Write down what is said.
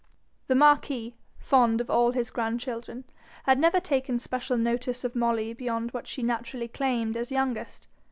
The marquis, fond of all his grandchildren, had never taken special notice of Molly beyond what she naturally claimed as youngest.